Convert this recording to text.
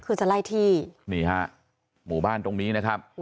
คือจะไล่ที่นี่ฮะหมู่บ้านตรงนี้นะครับ